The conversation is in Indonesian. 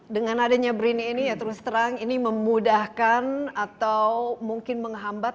dengan adanya brini ini ya terus terang ini memudahkan atau mungkin menghambat